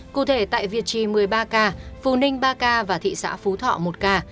cụ thể tại việt trì một mươi ba ca phú ninh ba ca và thị xã phú thọ một ca